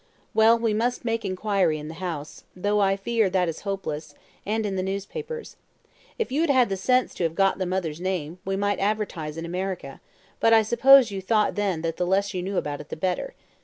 "Well, we must make inquiry in the house, though I fear that is hopeless, and in the newspapers. If you had had the sense to have got the mother's name, we might advertise in America; but I suppose you thought then that the less you knew about it the better.